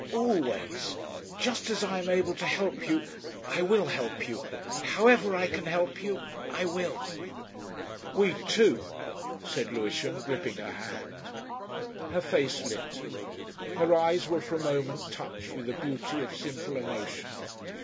"Always. Just as I am able to help you I will help you. However I can help you, I will." "We two," said Lewisham, gripping her hand. Her face lit. Her eyes were for a moment touched with the beauty of simple emotion.